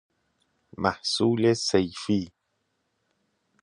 محصول صیفی